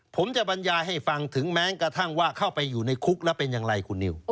ผมจะบรรยายให้ฟังถึงแม้กระทั่งว่าเข้าไปอยู่ในคุกแล้วเป็นอย่างไรคุณนิว